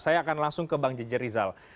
saya akan langsung ke bang jajarizal